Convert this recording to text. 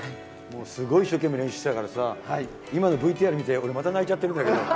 もうすごい一生懸命練習してたからさ、今のＶＴＲ見て、俺、また泣いちゃってるんだけど。